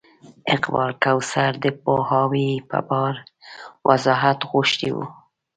اقبال کوثر د پوهاوي په پار وضاحت غوښتی و.